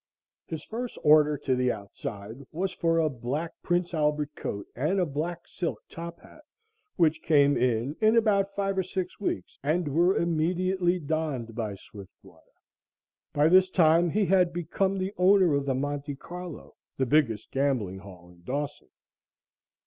His first order "to the outside" was for a black Prince Albert coat and a black silk top hat, which came in in about five or six weeks and were immediately donned by Swiftwater. By this time he had become the owner of the Monte Carlo, the biggest gambling hall in Dawson.